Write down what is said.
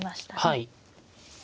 はい。